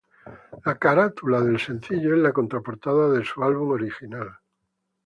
La carátula del sencillo es la contraportada de su álbum original.